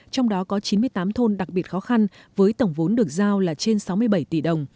trong đó có chín mươi tám thôn đặc biệt khó khăn với tổng vốn được giao là trên sáu mươi bảy tỷ đồng